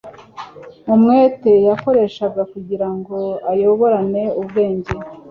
Mu mwete yakoreshaga kugira ngo ayoborane ubwenge